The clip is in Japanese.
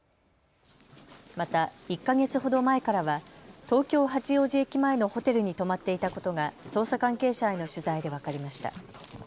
また、１か月ほど前からは東京八王子駅前のホテルに泊まっていたことが捜査関係者への取材で分かりました。